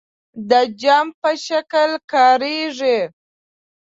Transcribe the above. د جمع په شکل کاریږي.